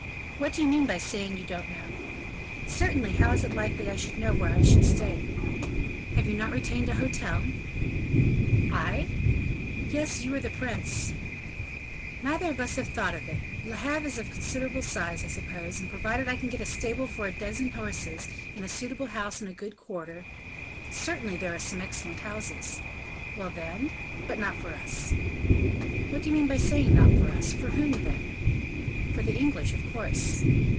"What do you mean by saying you don't know?" "Certainly, how is it likely I should know where I should stay?" "Have you not retained an hotel?" "I?" "Yes, you or the prince." "Neither of us has thought of it. Le Havre is of considerable size, I suppose; and provided I can get a stable for a dozen horses, and a suitable house in a good quarter " "Certainly, there are some very excellent houses." "Well then " "But not for us." "What do you mean by saying not for us? for whom, then?" "For the English, of course."